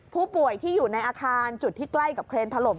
ผู้ป่วยที่อยู่ในอาคารจุดที่ใกล้กับเครนถล่ม